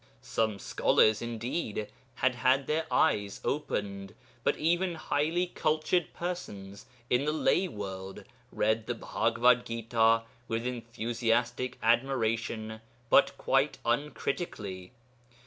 Some scholars, indeed, had had their eyes opened, but even highly cultured persons in the lay world read the Bhagavad Gita with enthusiastic admiration but quite uncritically.